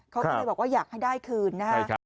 เขาก็เลยบอกว่าอยากให้ได้คืนนะครับ